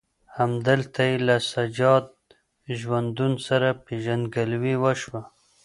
همدلته یې له سجاد ژوندون سره پېژندګلوي وشوه.